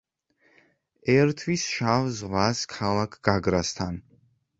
ერთვის შავ ზღვას ქალაქ გაგრასთან.